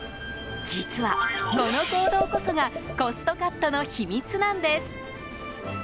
実は、この行動こそがコストカットの秘密なんです。